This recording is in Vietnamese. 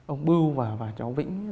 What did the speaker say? ông bưu và bà cháu vĩnh